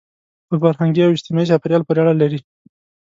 په فرهنګي او اجتماعي چاپېریال پورې اړه لري.